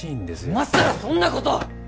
いまさらそんなこと！